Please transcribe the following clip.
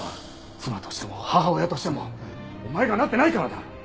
妻としても母親としてもお前がなってないからだ！